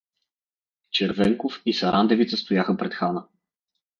Червенаков и Сарандевица стояха пред хана.